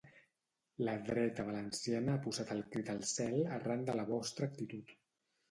La dreta valenciana ha posat el crit al cel arran de la vostra actitud.